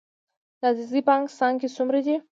د عزیزي بانک څانګې څومره دي؟